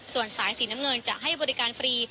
ส่วนสายสีน้ำเงินจะให้บริการฟรี